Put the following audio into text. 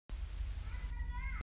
Kan ram a caar dih cang.